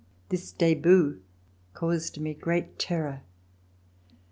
This debut caused me great terror.